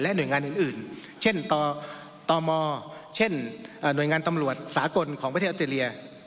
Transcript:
หน่วยงานอื่นเช่นตมเช่นหน่วยงานตำรวจสากลของประเทศออสเตรเลีย